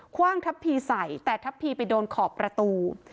ว่างทัพพีใส่แต่ทัพพีไปโดนขอบประตู